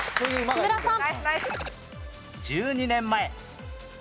木村さん。